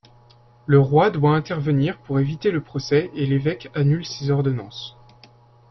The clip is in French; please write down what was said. Le roi doit intervenir pour éviter le procès et l'évêque annule ses ordonnances.